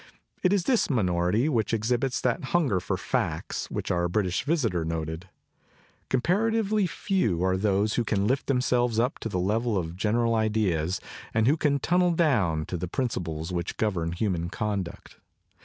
It is this minority which exhibits that hunger for facts, which our British visitor noted. Com paratively few are those who can lift themselves up to the level of general ideas and who can tunnel down to the principles which govern human conduct.